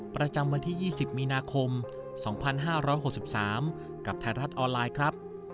ประจำวันที่๒๐มีนาคม๒๕๖๓กับไทยรัฐออนไลน์ครับ